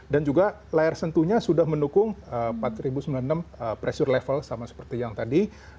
dan juga layar sentuhnya sudah mendukung empat ribu sembilan puluh enam pressure level sama seperti yang tadi